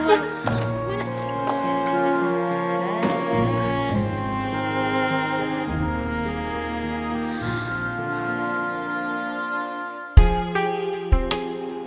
gue mau ke sana